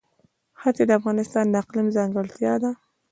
ښتې د افغانستان د اقلیم ځانګړتیا ده.